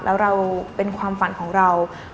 แล้วเราเป็นความฝันของเรา